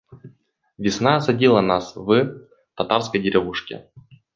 Весна осадила нас в татарской деревушке.